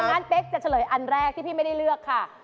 เป๊กจะเฉลยอันแรกที่พี่ไม่ได้เลือกค่ะ